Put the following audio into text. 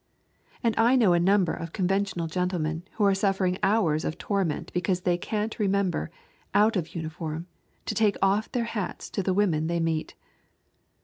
And I know a number of conventional gentlemen who are suffering hours of torment because they can't remember, out of uniform, to take off their hats to the women they meet.